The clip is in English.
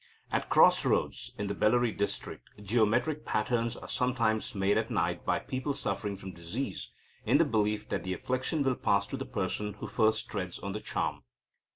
At cross roads in the Bellary district, geometric patterns are sometimes made at night by people suffering from disease, in the belief that the affliction will pass to the person who first treads on the charm.